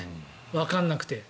わからなくて。